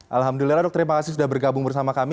alhamdulillah dok terima kasih sudah bergabung bersama kami